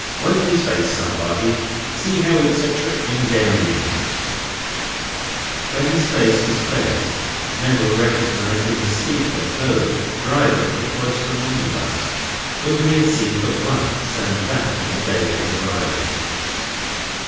—Wipe his face, somebody; see how it's a trickling down him!" When his face was cleansed, Neville recognised in the speaker, Joe, driver of the Cloisterham omnibus, whom he had seen but once, and that on the day of his arrival.